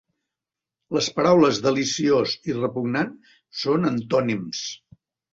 Les paraules deliciós i repugnant són antònims.